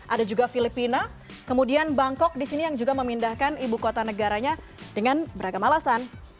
ada juga filipina kemudian bangkok di sini yang juga memindahkan ibu kota negaranya dengan beragam alasan